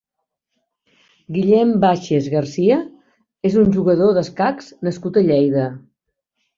Guillem Baches García és un jugador d'escacs nascut a Lleida.